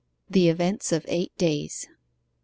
THE EVENTS OF EIGHT DAYS 1.